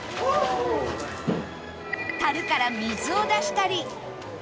樽から水を出したり